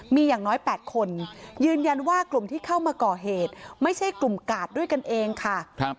มีอย่างน้อย๘คนยืนยันว่ากลุ่มที่เข้ามาก่อเหตุไม่ใช่กลุ่มกาดด้วยกันเองค่ะ